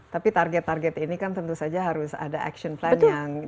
tapi target target ini kan tentu saja harus ada action plan yang